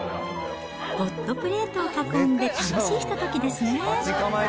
ホットプレートを囲んで、楽しいひとときですね。